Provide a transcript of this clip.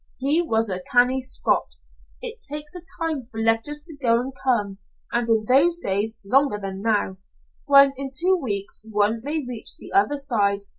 He was a canny Scot. It takes a time for letters to go and come, and in those days longer than now, when in two weeks one may reach the other side.